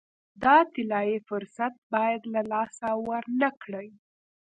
دا طلایي فرصت باید له لاسه ورنه کړي.